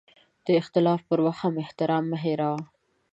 د اختلاف پر وخت هم احترام مه هېروه.